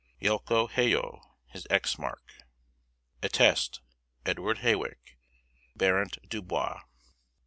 ] YELCO HAYO, his X mark,[L.S.]" "Attest: EDWARD HAWICK, BARENT DUBOIS."